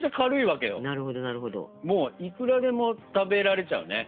もういくらでも食べられちゃうね。